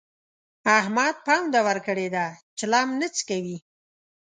احمد پونده ورکړې ده؛ چلم نه څکوي.